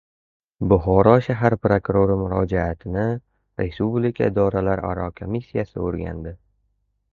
Buxoro shahar prokurori murojaatini Respublika idoralararo komissiyasi o‘rganadi